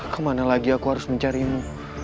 kemana lagi aku harus mencarimu